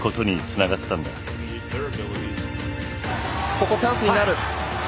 ここチャンスになる。